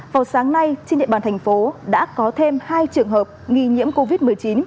vào sáng nay trên địa bàn thành phố đã có thêm hai trường hợp nghi nhiễm covid một mươi chín